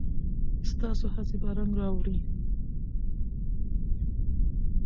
ستاسو هڅې به رنګ راوړي.